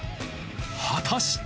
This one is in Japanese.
果たして。